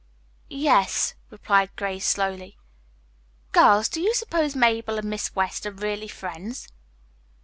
"Yes," replied Grace slowly. "Girls, do you suppose Mabel and Miss West are really friends?"